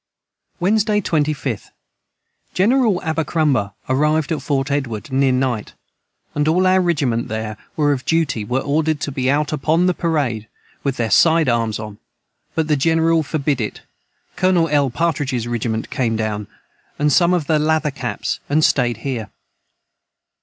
[Footnote 89: Prebles.] Wednesday 25th. Jineral Abbacromba arived at Fort Edward near night and all our rigiment there were of duty were ordered to be out upon the perrade with their side arms on but the jineral for Bid it Col.l Partrages rigiment came down & some of the Lather caps & stayed Here.